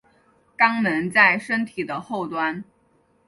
肛门在身体的后端。